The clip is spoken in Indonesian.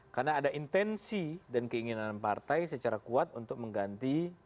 karena ada intensi dan keinginan partai secara kuat untuk mengganti